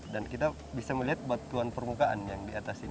dan kita bisa melihat batuan permukaan yang di atas ini